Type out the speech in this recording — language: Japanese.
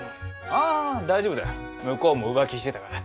あ大丈夫だよ。向こうも浮気してたから。